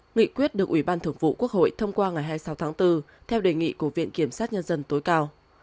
nghị quyết được ủy ban thượng vụ quốc hội thông qua ngày hai mươi sáu tháng bốn theo đề nghị của viện kiểm sát nhân dân tối cao